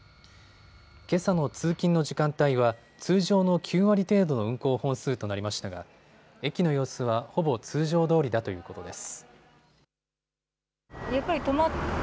けさの通勤の時間帯は通常の９割程度の運行本数となりましたが駅の様子はほぼ通常どおりだということです。